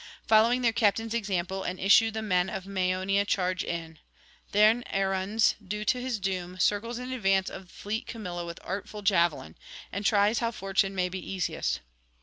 Following their captain's example and issue the men of Maeonia charge in. Then Arruns, due to his [760 796]doom, circles in advance of fleet Camilla with artful javelin, and tries how fortune may be easiest.